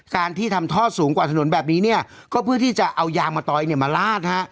การที่ทำท่อสูงกว่าถนนแบบนี้เนี่ยก็เพื่อที่จะเอายางมะตอยเนี่ยมาลาดฮะ